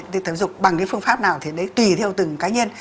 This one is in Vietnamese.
tập thể dục bằng phương pháp nào thì tùy theo từng cá nhân